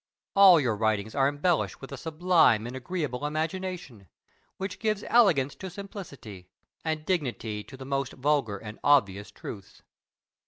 All your writings are embellished with a sublime and agreeable imagination, which gives elegance to simplicity, and dignity to the most vulgar and obvious truths.